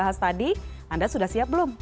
kemarin ada ppkm